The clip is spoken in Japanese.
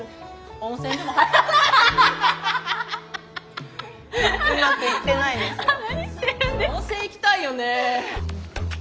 温泉行きたいよね。